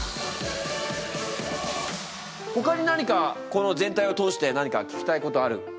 ほかに何かこの全体を通して何か聞きたいことある人いるか？